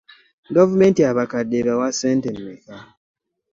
Gavumenti abakadde ebawa ssente mmeka?